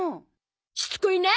しつこいなあ！